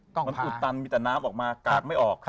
มันอุดตันมีแต่น้ำออกมากากไม่ออก